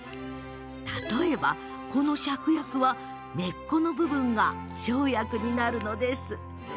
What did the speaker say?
例えば、このシャクヤクは根っこの部分が生薬になるのです。